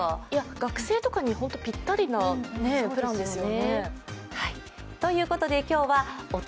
学生とかにぴったりなプランですね。